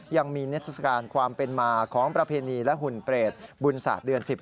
ยังมีนิทรศการความเป็นมาของประเพณีและหุ่นเปรตบุญศาสตร์เดือน๑๐